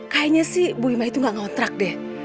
kayaknya sih bu ima itu gak ngontrak deh